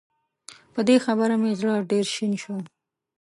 په دې خبره مې زړه ډېر شين شو